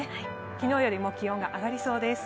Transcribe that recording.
昨日よりも気温が上がりそうです。